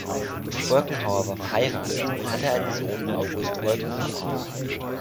Wolkenhauer war verheiratet und hatte einen Sohn August Wolkenhauer.